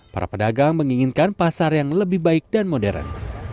para pedagang menginginkan pasar yang lebih baik dan modern